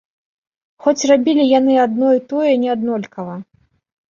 Хоць рабілі яны адно і тое неаднолькава.